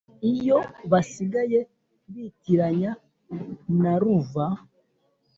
Iyo basigaye bitiranya na ruva